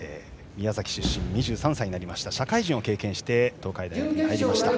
宮崎出身、２３歳になりました社会人を経験して東海大学に入りました。